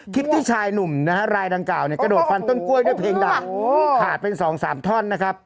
คลิปที่ชายหนุ่มนะฮะรายดังกล่าวเนี่ยกระโดดฟันต้นกล้วยด้วยเพลงด่าขาดเป็น๒๓ท่อนนะครับ